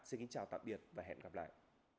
xin kính chào tạm biệt và hẹn gặp lại